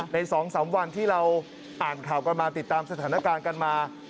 ใน๒๓วันที่เราอ่านข่าวกันมาติดตามสถานการณ์กันมา